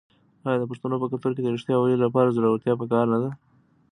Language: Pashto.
آیا د پښتنو په کلتور کې د ریښتیا ویلو لپاره زړورتیا پکار نه ده؟